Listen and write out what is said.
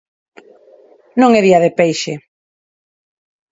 Non é día de peixe.